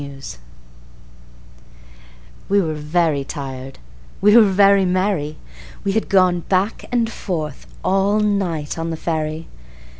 Recuerdo WE WERE very tired, we were very merry We had gone back and forth all night on the ferry.